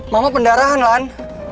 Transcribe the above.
mama pendarahan lan